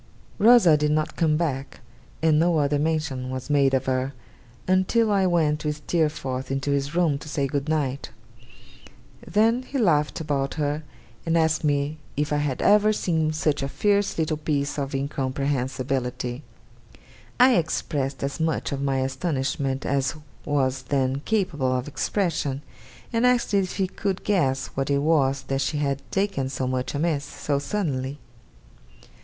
Rosa did not come back; and no other mention was made of her, until I went with Steerforth into his room to say Good night. Then he laughed about her, and asked me if I had ever seen such a fierce little piece of incomprehensibility. I expressed as much of my astonishment as was then capable of expression, and asked if he could guess what it was that she had taken so much amiss, so suddenly.